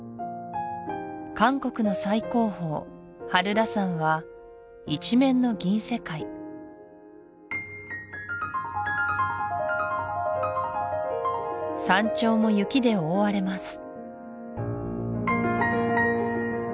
韓国の最高峰漢拏山は一面の銀世界山頂も雪で覆われます